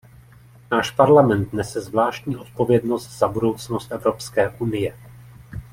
Náš Parlament nese zvláštní odpovědnost za budoucnost Evropské unie.